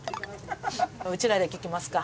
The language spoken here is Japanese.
うちらで聞きますか。